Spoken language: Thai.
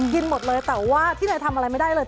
กินหมดเลยแต่ว่าที่ไหนทำอะไรไม่ได้เลย